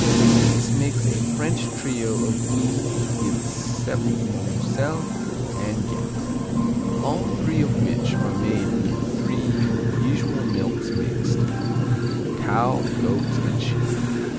This makes a French trio of Blues with Septmoncel and Gex, all three of which are made with the three usual milks mixed: cow, goat and sheep.